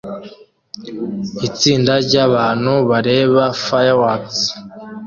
Itsinda ryabantu bareba fireworks